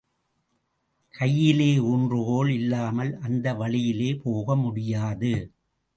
கையிலே ஊன்றுகோல் இல்லாமல் அந்த வழியிலே போக முடியாது.